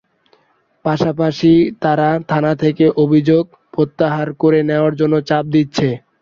পাশাপাশি তারা থানা থেকে অভিযোগ প্রত্যাহার করে নেওয়ার জন্য চাপ দিচ্ছে।